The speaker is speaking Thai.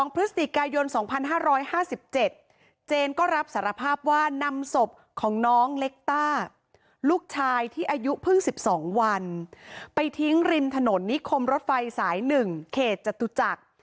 พฤศจิกายน๒๕๕๗เจนก็รับสารภาพว่านำศพของน้องเล็กต้าลูกชายที่อายุเพิ่ง๑๒วันไปทิ้งริมถนนนิคมรถไฟสาย๑เขตจตุจักร